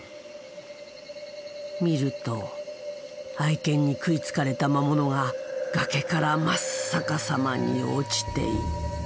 見ると愛犬に食いつかれた魔物が崖から真っ逆さまに落ちていった。